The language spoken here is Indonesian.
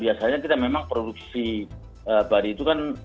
biasanya kita memang produksi badi itu kan agak tidak sesuai dengan kebutuhan